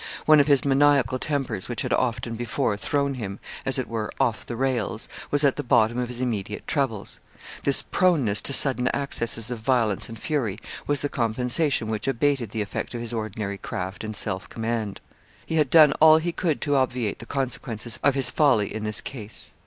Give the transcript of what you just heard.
One of his maniacal tempers, which had often before thrown him, as it were, 'off the rails,' was at the bottom of his immediate troubles. This proneness to sudden accesses of violence and fury was the compensation which abated the effect of his ordinary craft and self command. He had done all he could to obviate the consequences of his folly in this case.